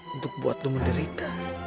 untuk buat lo menderita